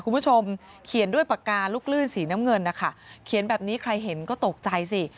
คุณผู้ชมเขียนด้วยปากกาลูกลื่นสีน้ำเงินนะคะเขียนแบบนี้ใครเห็นก็ตกใจสิ